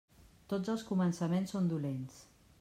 Tots els començaments són dolents.